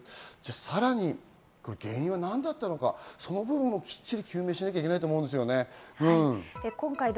さらに原因は何だったのか、その部分もきっちり救命しなきゃいけないと思います。